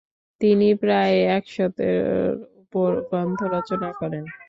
তিনি প্রায় একশতের ওপর গ্রন্থ রচনা করেন।